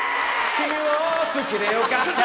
「君を好きでよかった」